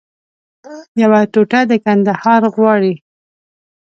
یوه ټوټه د کندهار غواړي